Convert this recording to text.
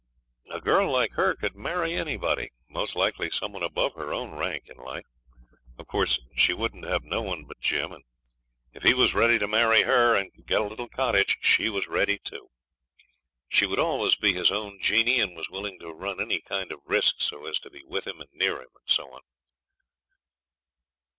A girl like her could marry anybody most likely some one above her own rank in life. Of course she wouldn't have no one but Jim, and if he was ready to marry her, and could get a little cottage, she was ready too. She would always be his own Jeanie, and was willing to run any kind of risk so as to be with him and near him, and so on.